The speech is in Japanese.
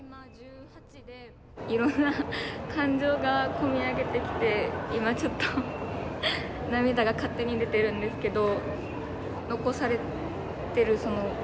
いろんな感情が込み上げてきて今ちょっと涙が勝手に出てるんですけど。